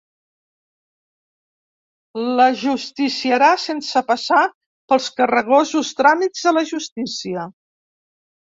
L'ajusticiarà sense passar pels carregosos tràmits de la justícia.